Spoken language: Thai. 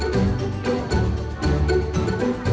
เพื่อนรับทราบ